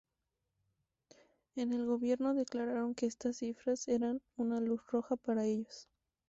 En el gobierno, declararon que estas cifras eran una "luz roja" para ellos.